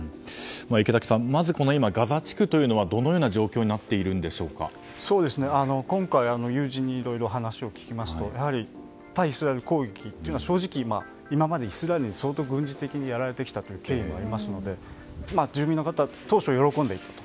池滝さん、ガザ地区というのはどのような状況に今回、友人にいろいろ話を聞きますとやはり対イスラエル攻撃は今までイスラエルに相当、軍事的にやられてきた経緯もありますので住民の方は当初、喜んでいたと。